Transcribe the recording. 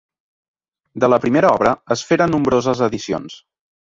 De la primera obra es feren nombroses edicions.